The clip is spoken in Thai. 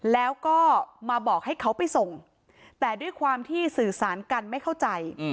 แล้วก็มาบอกให้เขาไปส่งแต่ด้วยความที่สื่อสารกันไม่เข้าใจ